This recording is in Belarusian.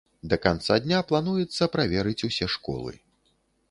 Да канца дня плануецца праверыць усе школы.